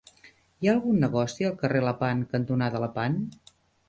Hi ha algun negoci al carrer Lepant cantonada Lepant?